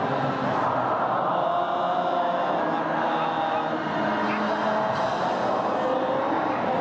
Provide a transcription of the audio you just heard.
โอ้โอ้